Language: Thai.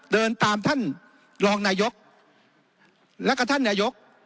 เดินตามท่านรองนายกแล้วก็ท่านนายก